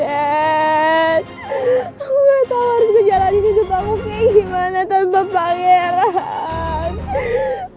aku nggak tahu harus kejalani kehidupan aku kayak gimana tanpa pangeran